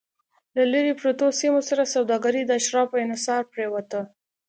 له لرې پرتو سیمو سره سوداګري د اشرافو انحصار پرېوته